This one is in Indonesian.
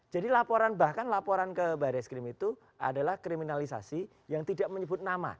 jadi laporan bahkan laporan ke baris krim itu adalah kriminalisasi yang tidak menyebut nama